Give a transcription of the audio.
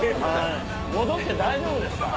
戻って大丈夫ですか？